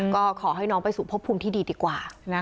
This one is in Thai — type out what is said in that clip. ก็ขอให้น้องไปสู่พบภูมิที่ดีดีกว่า